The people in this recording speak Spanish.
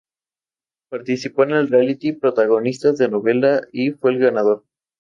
Participó en el reality "Protagonistas de novela" y fue el ganador.